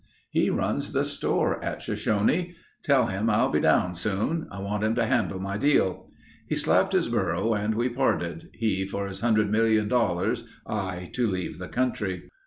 "He runs the store at Shoshone. Tell him I'll be down soon. I want him to handle my deal." He slapped his burro and we parted—he for his $100,000,000, I to leave the country.